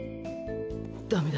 「ダメだ！